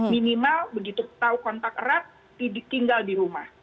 minimal begitu tahu kontak erat tinggal di rumah